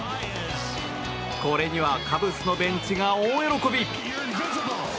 これにはカブスのベンチが大喜び。